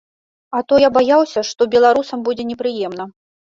А то я баяўся, што беларусам будзе непрыемна.